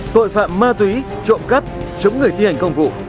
tội phạm ma túy trộm cắp chống người thi hành công vụ